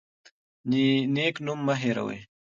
نیک نوم مه هیروئ.